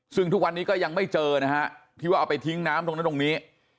ซึ่งทุกวันนี้ก็ยังไม่เจอนะฮะที่ว่าเอาไปทิ้งน้ำตรงนั้นตรงนี้